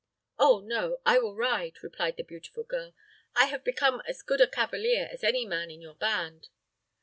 "Oh, no; I will ride," replied the beautiful girl. "I have become as good a cavalier as any man in your band."